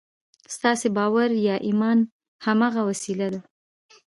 ستاسې باور یا ایمان هماغه وسیله ده